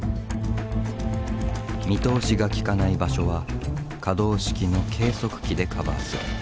見通しがきかない場所は可動式の計測器でカバーする。